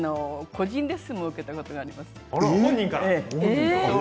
個人レッスンもやったことがあります。